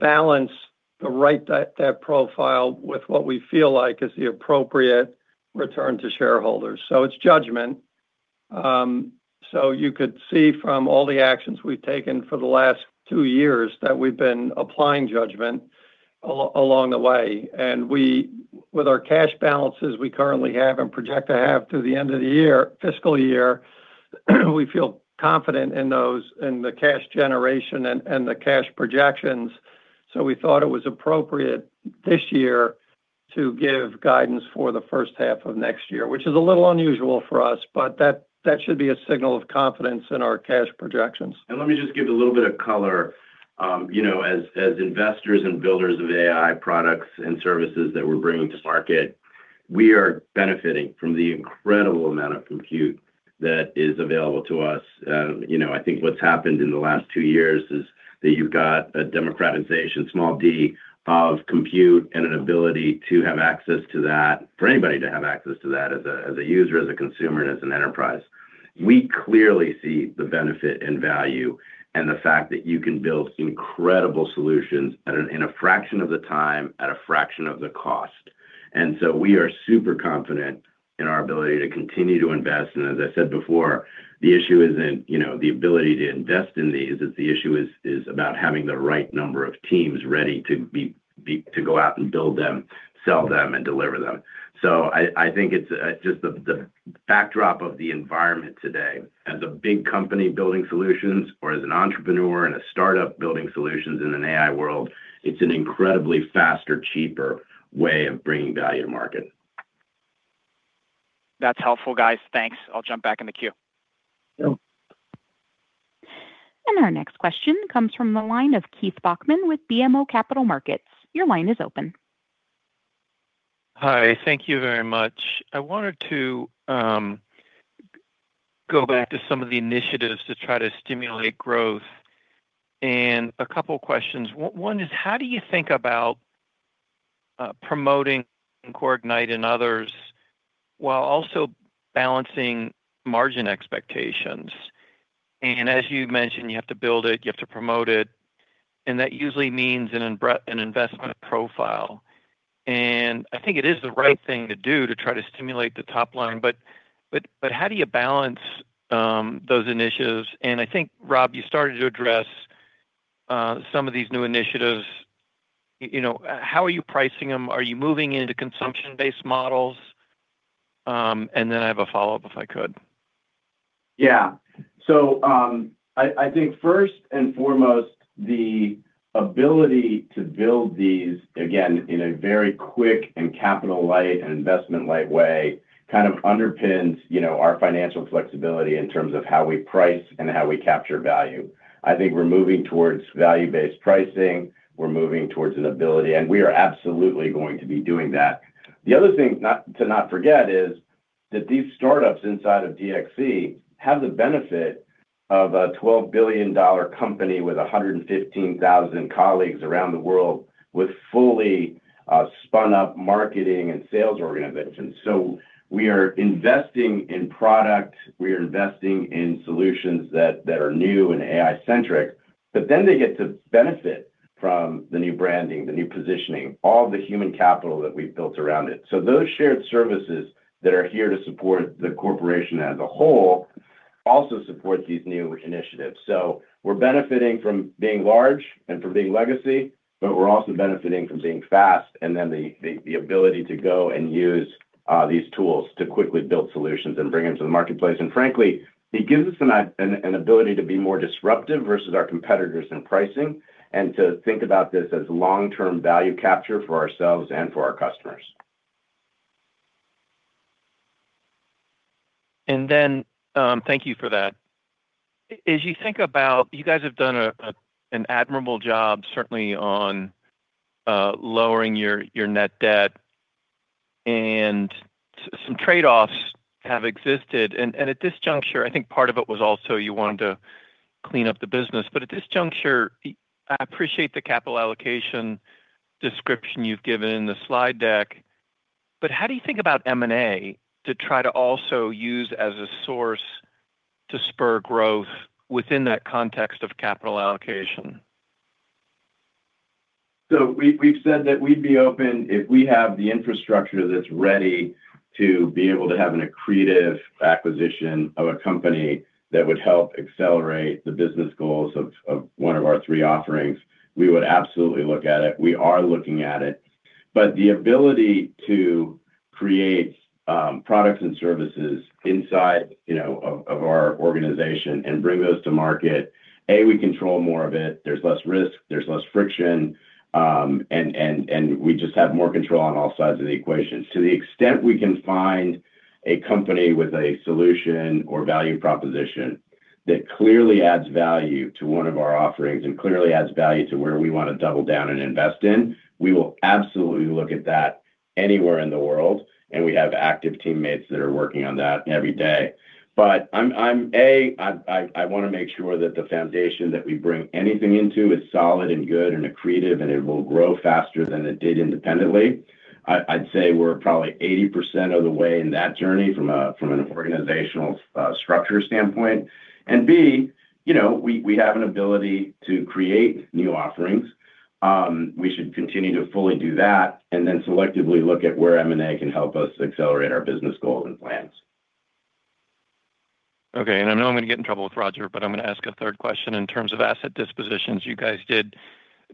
balance the right debt profile with what we feel like is the appropriate return to shareholders. So it's judgment. You could see from all the actions we've taken for the last two years that we've been applying judgment along the way. With our cash balances we currently have and project to have to the end of the fiscal year, we feel confident in the cash generation and the cash projections. We thought it was appropriate this year to give guidance for the H1 of next year, which is a little unusual for us, but that should be a signal of confidence in our cash projections. Let me just give a little bit of color. As investors and builders of AI products and services that we're bringing to market, we are benefiting from the incredible amount of compute that is available to us. I think what's happened in the last two years is that you've got a democratization, small d, of compute and an ability to have access to that for anybody to have access to that as a user, as a consumer, and as an enterprise. We clearly see the benefit and value and the fact that you can build incredible solutions in a fraction of the time at a fraction of the cost. We are super confident in our ability to continue to invest. As I said before, the issue isn't the ability to invest in these. The issue is about having the right number of teams ready to go out and build them, sell them, and deliver them. I think it's just the backdrop of the environment today. As a big company building solutions or as an entrepreneur and a startup building solutions in an AI world, it's an incredibly faster, cheaper way of bringing value to market. That's helpful, guys. Thanks. I'll jump back in the queue. Our next question comes from the line of Keith Bachman with BMO Capital Markets. Your line is open. Thank you very much. I wanted to go back to some of the initiatives to try to stimulate growth. A couple of questions. One is, how do you think about promoting CoreIgnite and others while also balancing margin expectations? As you mentioned, you have to build it, you have to promote it. That usually means an investment profile. I think it is the right thing to do to try to stimulate the top line. How do you balance those initiatives? I think, Rob, you started to address some of these new initiatives. How are you pricing them? Are you moving into consumption-based models? I have a follow-up if I could. I think first and foremost, the ability to build these, again, in a very quick and capital-light and investment-light way, kind of underpins our financial flexibility in terms of how we price and how we capture value. I think we're moving towards value-based pricing. We're moving towards an ability, and we are absolutely going to be doing that. The other thing to not forget is that these startups inside of DXC have the benefit of a $12 billion company with 115,000 colleagues around the world with fully spun-up marketing and sales organizations. We are investing in product. We are investing in solutions that are new and AI-centric, but then they get to benefit from the new branding, the new positioning, all the human capital that we've built around it. Those shared services that are here to support the corporation as a whole also support these new initiatives. We're benefiting from being large and from being legacy, but we're also benefiting from being fast and then the ability to go and use these tools to quickly build solutions and bring them to the marketplace. Frankly, it gives us an ability to be more disruptive versus our competitors in pricing and to think about this as long-term value capture for ourselves and for our customers. Thank you for that. As you think about, you guys have done an admirable job, certainly, on lowering your net debt, and some trade-offs have existed. At this juncture, I think part of it was also you wanted to clean up the business. At this juncture, I appreciate the capital allocation description you've given in the slide deck. How do you think about M&A to try to also use as a source to spur growth within that context of capital allocation? We've said that we'd be open if we have the infrastructure that's ready to be able to have an accretive acquisition of a company that would help accelerate the business goals of one of our three offerings. We would absolutely look at it. We are looking at it. The ability to create products and services inside of our organization and bring those to market, A, we control more of it. There's less risk. There's less friction. We just have more control on all sides of the equation. To the extent we can find a company with a solution or value proposition that clearly adds value to one of our offerings and clearly adds value to where we want to double down and invest in, we will absolutely look at that anywhere in the world. We have active teammates that are working on that every day, but A, I want to make sure that the foundation that we bring anything into is solid and good and accretive, and it will grow faster than it did independently. I'd say we're probably 80% of the way in that journey from an organizational structure standpoint, and B, we have an ability to create new offerings. We should continue to fully do that and then selectively look at where M&A can help us accelerate our business goals and plans. I know I'm going to get in trouble with Roger, but I'm going to ask a third question in terms of asset dispositions you guys did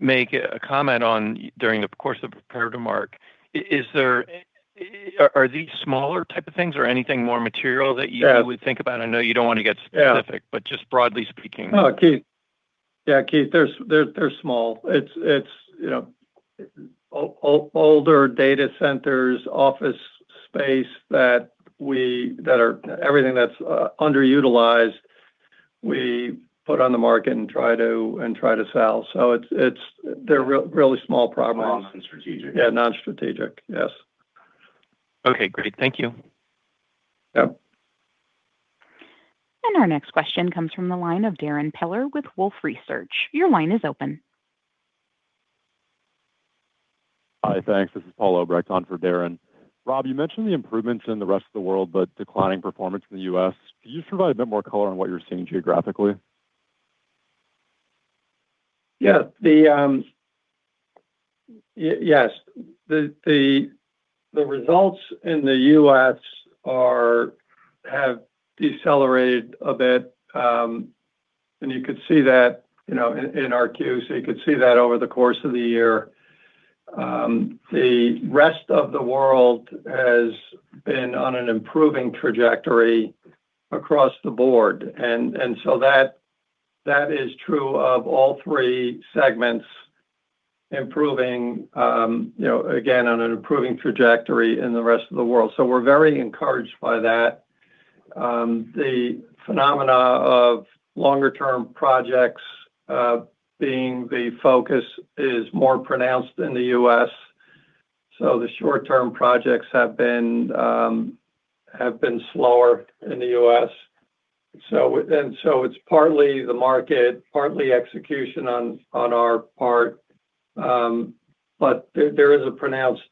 make a comment on during the course of the program. Are these smaller type of things or anything more material that you would think about? I know you don't want to get specific, but just broadly speaking. Keith, they're small. It's older data centers, office space that are everything that's underutilized we put on the market and try to sell. So they're really small problems. Non-common and strategic. Non-strategic, yes. Great. Thank you. Our next question comes from the line of Darrin Peller with Wolfe Research. Your line is open. Hi. Thanks. This is Paul Obrecht on for Darrin. Rob, you mentioned the improvements in the rest of the world, but declining performance in the US. Could you just provide a bit more color on what you're seeing geographically? The results in the U.S. have decelerated a bit. You could see that in our Q. So you could see that over the course of the year. The rest of the world has been on an improving trajectory across the board. That is true of all three segments, improving, again, on an improving trajectory in the rest of the world. We're very encouraged by that. The phenomena of longer-term projects being the focus is more pronounced in the US. So the short-term projects have been slower in the US. It's partly the market, partly execution on our part. But there is a pronounced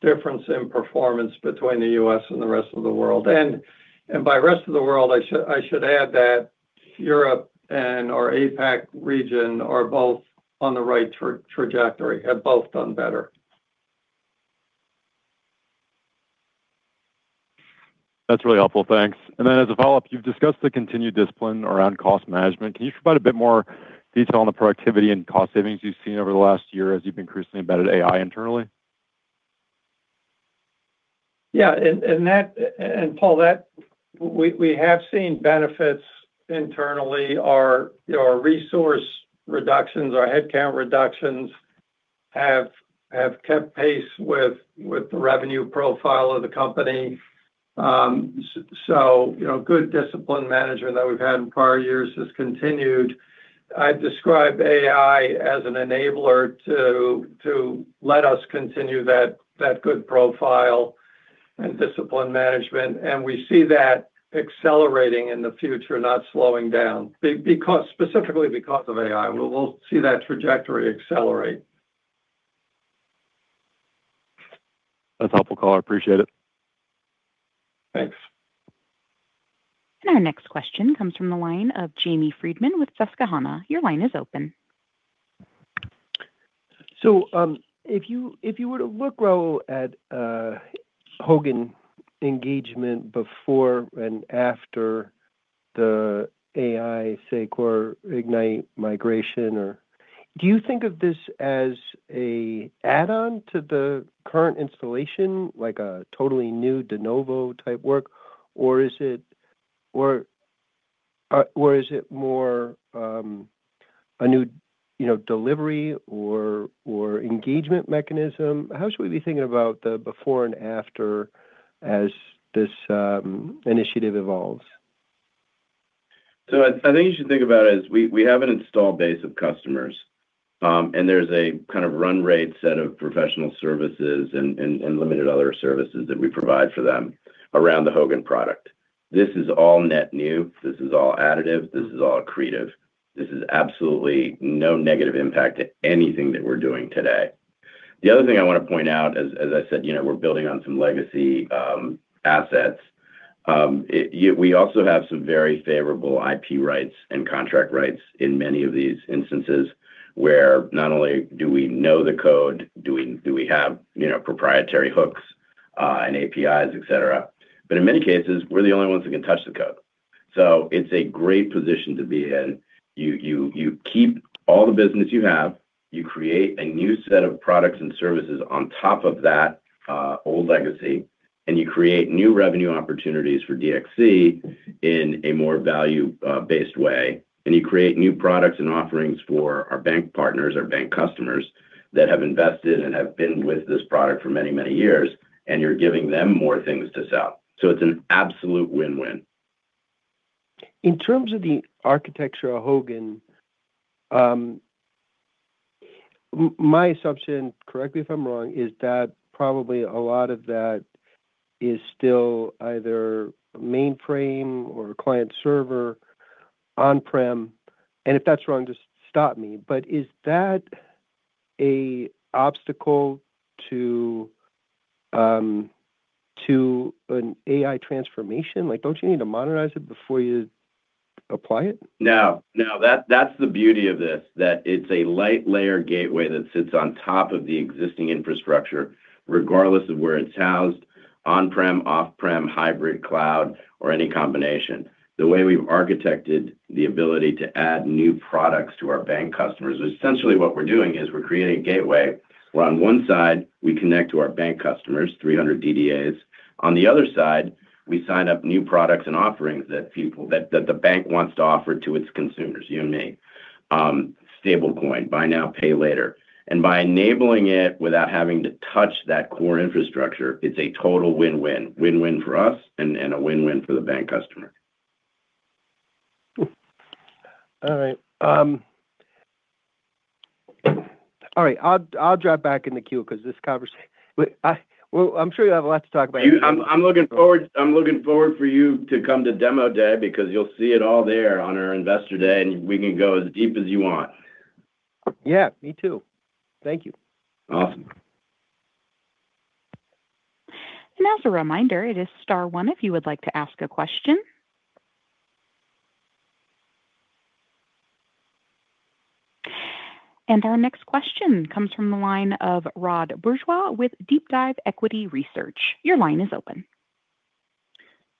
difference in performance between the US and the rest of the world. By rest of the world, I should add that Europe and our APAC region are both on the right trajectory, have both done better. That's really helpful. Thanks. As a follow-up, you've discussed the continued discipline around cost management. Can you provide a bit more detail on the productivity and cost savings you've seen over the last year as you've increasingly embedded AI internally? Paul, we have seen benefits internally. Our resource reductions, our headcount reductions have kept pace with the revenue profile of the company. Good discipline management that we've had in prior years has continued. I describe AI as an enabler to let us continue that good profile and discipline management. We see that accelerating in the future, not slowing down, specifically because of AI. We'll see that trajectory accelerate. That's helpful color. I appreciate it. Thanks. Our next question comes from the line of Jamie Friedman with Susquehanna. Your line is open. If you were to look, Rob, at Hogan engagement before and after the AI, say, CoreIgnite migration, do you think of this as an add-on to the current installation, like a totally new de novo type work, or is it more a new delivery or engagement mechanism? How should we be thinking about the before and after as this initiative evolves? I think you should think about it as we have an installed base of customers, and there's a kind of run rate set of professional services and limited other services that we provide for them around the Hogan product. This is all net new. This is all additive. This is all accretive. This is absolutely no negative impact to anything that we're doing today. The other thing I want to point out, as I said, we're building on some legacy assets. We also have some very favorable IP rights and contract rights in many of these instances where not only do we know the code, do we have proprietary hooks and APIs, etc., but in many cases, we're the only ones that can touch the code. So it's a great position to be in. You keep all the business you have. You create a new set of products and services on top of that old legacy, and you create new revenue opportunities for DXC in a more value-based way. You create new products and offerings for our bank partners, our bank customers that have invested and have been with this product for many, many years, and you're giving them more things to sell. It's an absolute win-win. In terms of the architecture of Hogan, my assumption, correct me if I'm wrong, is that probably a lot of that is still either mainframe or client-server on-prem. If that's wrong, just stop me. Is that an obstacle to an AI transformation? Don't you need to modernize it before you apply it? No. That's the beauty of this, that it's a light layer gateway that sits on top of the existing infrastructure, regardless of where it's housed, on-prem, off-prem, hybrid, cloud, or any combination. The way we've architected the ability to add new products to our bank customers, essentially what we're doing is we're creating a gateway where, on one side, we connect to our bank customers, 300 DDAs. On the other side, we sign up new products and offerings that the bank wants to offer to its consumers, you and me, stablecoin, buy now, pay later. By enabling it without having to touch that core infrastructure, it's a total win-win, win-win for us and a win-win for the bank customer. All right. I'll drop back in the queue because this conversation, well, I'm sure you have a lot to talk about. I'm looking forward for you to come to Demo Day because you'll see it all there on our Investor Day, and we can go as deep as you want. Me too. Thank you. Awesome. As a reminder, it is star one if you would like to ask a question. Our next question comes from the line of Rod Bourgeois with DeepDive Equity Research. Your line is open.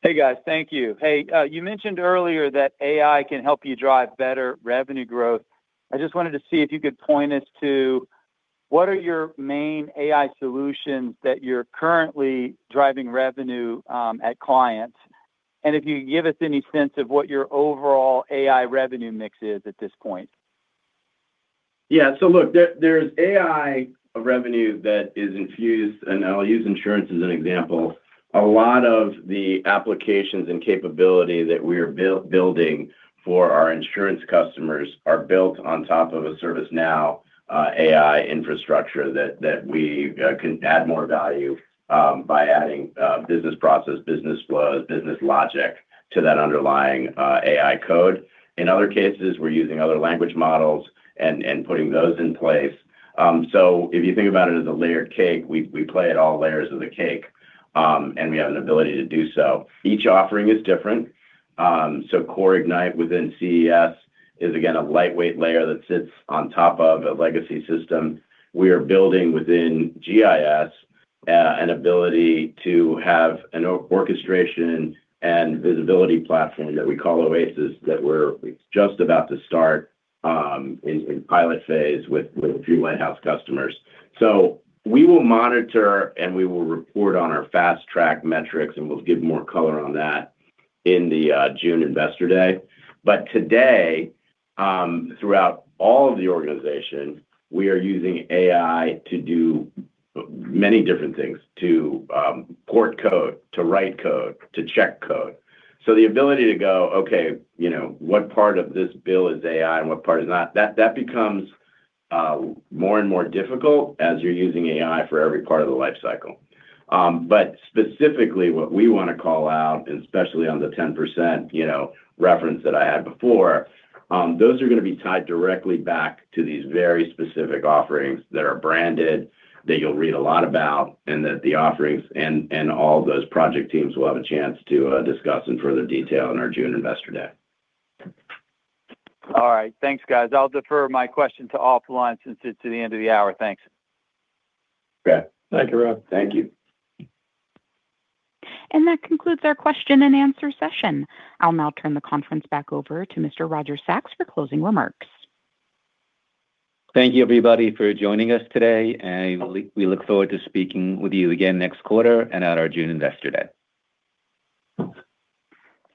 Thank you. You mentioned earlier that AI can help you drive better revenue growth. I just wanted to see if you could point us to what are your main AI solutions that you're currently driving revenue at clients, and if you can give us any sense of what your overall AI revenue mix is at this point? There's AI revenue that is infused, and I'll use insurance as an example. A lot of the applications and capability that we are building for our insurance customers are built on top of a ServiceNow AI infrastructure that we can add more value by adding business process, business flows, business logic to that underlying AI code. In other cases, we're using other language models and putting those in place. If you think about it as a layered cake, we play at all layers of the cake, and we have an ability to do so. Each offering is different. CoreIgnite within CES is, again, a lightweight layer that sits on top of a legacy system. We are building within GIS an ability to have an orchestration and visibility platform that we call OASIS that we're just about to start in pilot phase with a few lighthouse customers. We will monitor, and we will report on our fast track metrics, and we'll give more color on that in the June Investor Day. Today, throughout all of the organization, we are using AI to do many different things: to port code, to write code, to check code. The ability to go, okay, what part of this bill is AI and what part is not, that becomes more and more difficult as you're using AI for every part of the life cycle. Specifically, what we want to call out, and especially on the 10% reference that I had before, those are going to be tied directly back to these very specific offerings that are branded, that you'll read a lot about, and that the offerings and all those project teams will have a chance to discuss in further detail in our June Investor Day. All right. Thanks, guys. I'll defer my question to offline since it's to the end of the hour. Thanks. Thank you, Rob. Thank you. That concludes our question and answer session. I'll now turn the conference back over to Mr. Roger Sachs for closing remarks. Thank you, everybody, for joining us today. We look forward to speaking with you again next quarter and at our June Investor Day.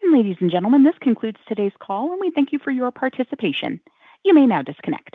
Ladies and gentlemen, this concludes today's call, and we thank you for your participation. You may now disconnect.